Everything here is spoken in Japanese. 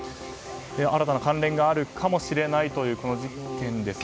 新たな関連があるかもしれないというこの事件ですが。